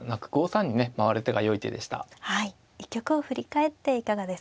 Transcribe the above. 一局を振り返っていかがですか。